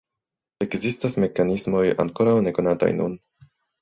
Ekzistas mekanismoj ankoraŭ nekonataj nun.